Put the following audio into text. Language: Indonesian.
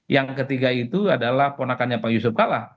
yang ketiga itu adalah ponakannya pak yusuf kalla